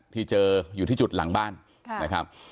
ที่เจออยู่ที่จุดหลังบ้านนะครับ